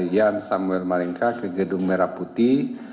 yan samuel maringka ke gedung merah putih